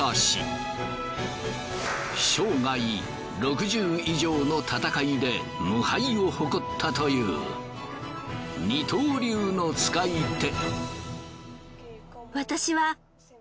生涯６０以上の戦いで無敗を誇ったという二刀流の使い手。